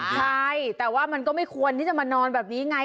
ใช่แต่ว่ามันก็ไม่ควรที่จะมานอนแบบนี้ไง